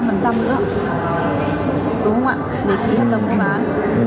đúng không ạ để ký thỏa thuận bán